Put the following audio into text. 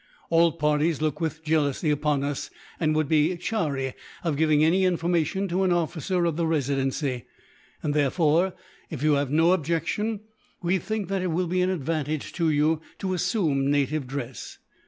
All parties look with jealousy upon us, and would be chary of giving any information to an officer of the Residency; and therefore, if you have no objection, we think that it will be an advantage to you to assume native dress.